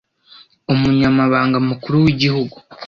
umunyamabanga mukuru w'igihugu